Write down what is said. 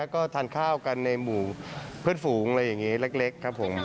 ก็ทานข้าวกันในหมู่เพื่อนฝูงอะไรอย่างนี้เล็กครับผม